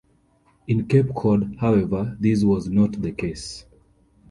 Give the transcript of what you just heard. In Cape Cod, however, this was not the case.